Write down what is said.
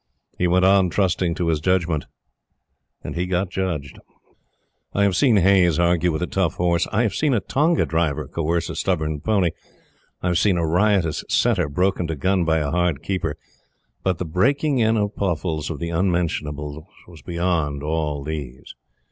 He went on trusting to his judgment, and he got judged. I have seen Hayes argue with a tough horse I have seen a tonga driver coerce a stubborn pony I have seen a riotous setter broken to gun by a hard keeper but the breaking in of Pluffles of the "Unmentionables" was beyond all these.